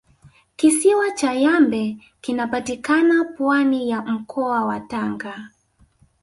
kisiwa cha yambe kinapatikana pwani ya mkoa wa tanga